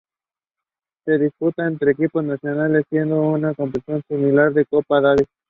Se disputa entre equipos nacionales, siendo una competición similar a la Copa Davis.